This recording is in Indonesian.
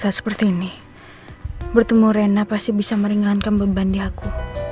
saya seperti ini bertemu rena pasti bisa meringankan beban di aku